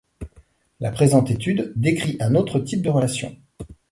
La présente étude décrit un autre type de relations.